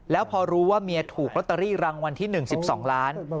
แล้วพอรู้ว่าเมียถูกลอตเตอรี่รางวัลที่๑๒ล้าน